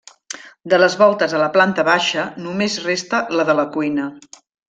De les voltes a la planta baixa només resta la de la cuina.